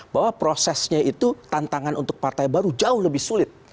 bahwa prosesnya itu tantangan untuk partai baru jauh lebih sulit